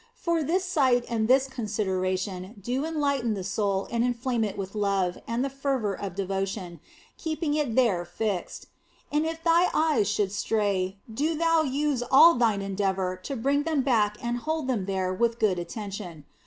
For this sight and this consideration do enlighten the soul and inflame it with love and the fervour of devotion, 46 THE BLESSED ANGELA keeping it there fixed. And if thine eyes should stray, do thou use all thine endeavour to bring them back and hold them there with good attention.